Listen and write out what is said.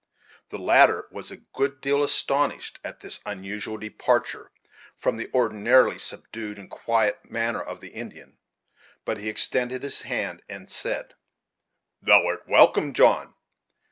The latter was a good deal astonished at this unusual departure from the ordinarily subdued and quiet manner of the Indian; but he extended his hand, and said: "Thou art welcome, John.